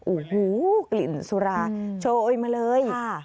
โอ้โฮกลิ่นสุราโชว์เอาอีกมาเลย